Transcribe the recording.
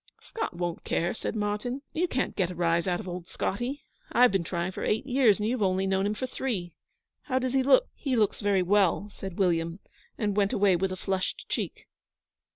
'Scott won't care,' said Martyn. 'You can't get a rise out of old Scotty. I've been trying for eight years, and you've only known him for three. How does he look?' 'He looks very well,' said William, and went away with a flushed cheek.